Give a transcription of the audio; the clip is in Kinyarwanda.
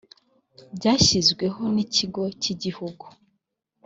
byashyizweho n ikigo cy igihugu